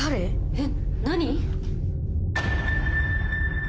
えっ何？